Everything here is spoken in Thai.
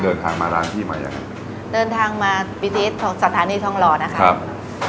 เดินทางมาร้านพี่มายังไงเดินทางมาปีที่สถานีทองหล่อนะครับ